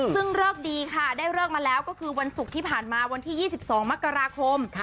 ซึ่งเลิกดีค่ะได้เลิกมาแล้วก็คือวันศุกร์ที่ผ่านมาวันที่๒๒มกราคม